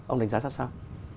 ông đánh giá ra sao